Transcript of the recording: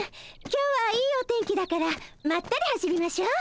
今日はいいお天気だからまったり走りましょう。